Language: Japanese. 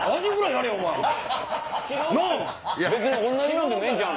別に同じのでもええんちゃう？